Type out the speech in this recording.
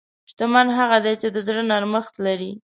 شتمن هغه دی چې د زړه نرمښت لري.